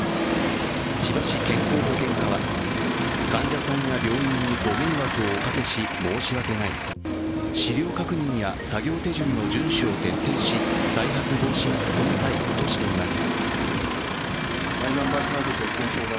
千葉市健康保険課は、患者さんや病院にご迷惑をおかけし申し訳ない、資料確認や作業手順の遵守を徹底し再発防止に努めたいとしています。